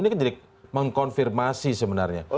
ini kan jadi mengkonfirmasi sebenarnya